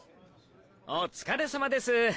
お疲れさまです。